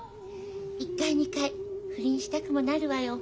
１回２回不倫したくもなるわよ。